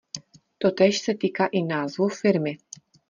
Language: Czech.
Totéž se týká i názvu firmy.